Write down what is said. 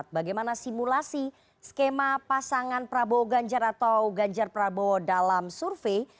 bagaimana simulasi skema pasangan prabowo ganjar atau ganjar prabowo dalam survei